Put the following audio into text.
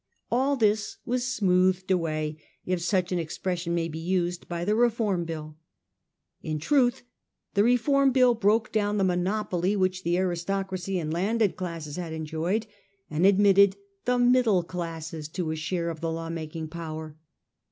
All this was smoothed away, if such an expression may he used, by the Reform Bill. In truth the Reform Bill broke down the monopoly which the aristocracy and landed classes had enjoyed, and admitted the middle classes to a share of the law making power.